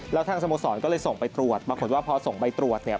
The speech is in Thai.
แล้วทางสโมสรก็เลยส่งไปตรวจปรากฏว่าพอส่งไปตรวจเนี่ย